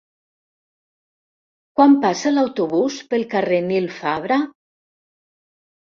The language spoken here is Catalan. Quan passa l'autobús pel carrer Nil Fabra?